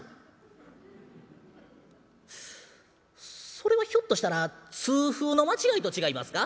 「それはひょっとしたら痛風の間違いと違いますか？」。